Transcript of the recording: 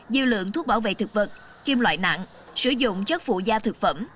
dư lượng thuốc bảo vệ thực vật kiêm loại nặng sử dụng chất phụ gia thực phẩm